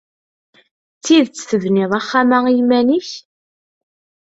D tidet tebniḍ axxam-a i yiman-nnek?